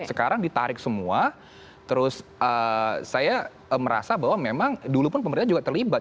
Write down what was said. sekarang ditarik semua terus saya merasa bahwa memang dulu pun pemerintah juga terlibat